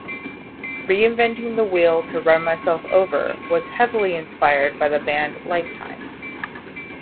"Reinventing the Wheel to Run Myself Over" was heavily inspired by the band Lifetime.